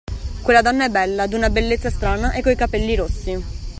Quella donna è bella, d'una bellezza strana e coi capelli rossi